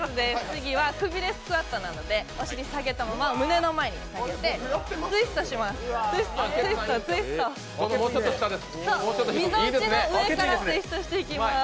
次はくびれスクワットなのでお尻下げたまま胸の前で下げてツイストです。